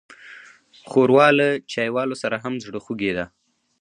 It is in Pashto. ښوروا له چايوالو سره هم زړهخوږې ده.